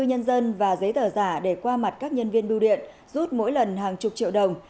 nhân dân và giấy tờ giả để qua mặt các nhân viên biêu điện rút mỗi lần hàng chục triệu đồng